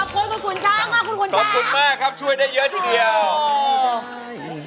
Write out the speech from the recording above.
ขอบคุณคุณช้างขอบคุณคุณช้างโอ้โฮขอบคุณมากครับช่วยได้เยอะทีเดียว